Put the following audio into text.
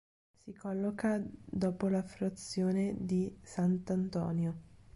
Si colloca dopo la frazione di Sant'Antonio.